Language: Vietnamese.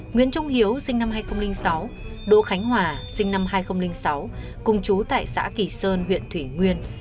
nguyễn trung hiếu sinh năm hai nghìn sáu đỗ khánh hòa sinh năm hai nghìn sáu cùng chú tại xã kỳ sơn huyện thủy nguyên